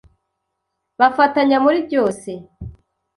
bafatanya muri byose.